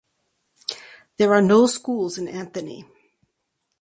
There are no schools in Anthony.